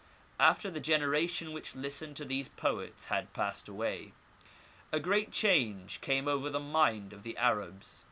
After the generation which listened to these poets had passed away, a great change came over the mind of the Arabs.